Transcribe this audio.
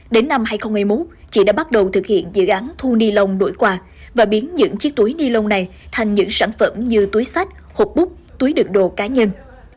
đến năm hai nghìn một mươi một chị đã bắt đầu thực hiện dự án thu ni lông đổi quà và biến những chiếc túi ni lông này thành những sản phẩm như túi sách hộp bút túi đựng đồ cá nhân